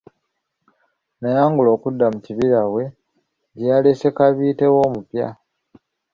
N'ayanguwa okudda mu kibira we gyeyalese kabiite we omupya.